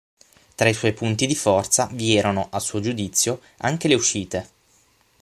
Tra i suoi punti di forza vi erano, a suo giudizio, anche le uscite.